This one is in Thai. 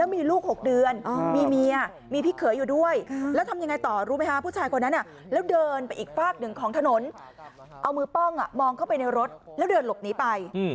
มองเข้าไปในรถแล้วเดินหลบหนีไป